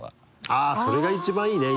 あっそれが一番いいね。